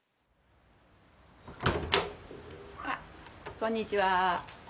こんにちは。